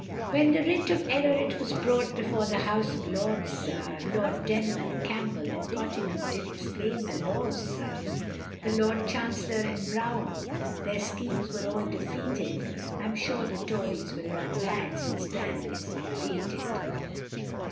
When the writ of error it was brought before the House of Lords, sir, Lord Denman, Campbell and Cottingham did explain the laws, sir, The Lord Chancellor and Brougham, their schemes were all defeated, I'm sure the Tories will run mad since Dan is liberated.